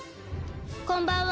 こんばんは。